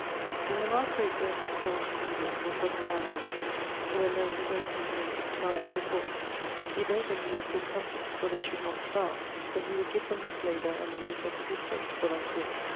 In the last great dearth of corne in England, which was in anno[XC.] ..., when there was a great complaint and cry of the poore, he bade them bee of good comfort for they should not starve, for he would give them his labour and the use of his estate for that yeare.